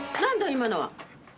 今のは？